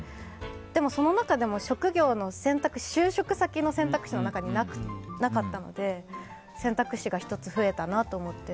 でも、その中でも職業の選択肢就職先の選択肢の中になかったのですごいですね、運命ですね。